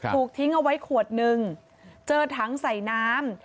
ถูกทิ้งเอาไว้ขวดนึงเจอถังใส่น้ำ